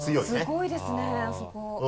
すごいですねあそこ。